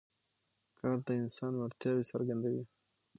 کار د انسان وړتیاوې څرګندوي